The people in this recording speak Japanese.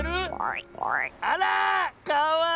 あらかわいい！